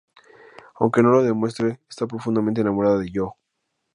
Aunque no lo demuestre, está profundamente enamorada de Yoh.